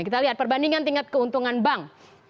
kita lihat perbandingan tingkat keuntungan bank